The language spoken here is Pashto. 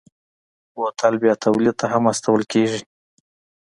بوتل بیا تولید ته هم استول کېږي.